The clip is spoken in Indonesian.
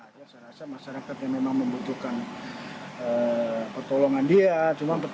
pemeriksaan maraton yang dilakukan oleh penyidik di tenggara barat